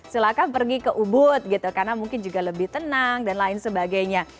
silahkan pergi ke ubud gitu karena mungkin juga lebih tenang dan lain sebagainya